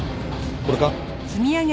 これか？